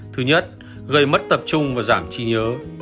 thứ nhất gây mất tập trung và giảm trí nhớ